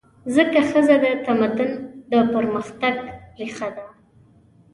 ځکه ښځه د تمدن د پرمختګ ریښه ده.